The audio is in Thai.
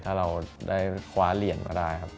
ถ้าเราได้คว้าเหรียญมาได้ครับ